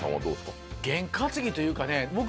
ゲン担ぎというかね僕。